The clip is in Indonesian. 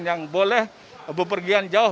yang boleh berpergian jauh